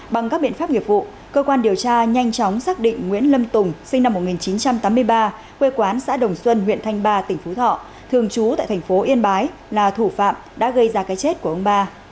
bằng các biện pháp nghiệp vụ cơ quan điều tra nhanh chóng xác định nguyễn lâm tùng sinh năm một nghìn chín trăm tám mươi ba quê quán xã đồng xuân huyện thanh ba tỉnh phú thọ thường trú tại thành phố yên bái là thủ phạm đã gây ra cái chết của ông ba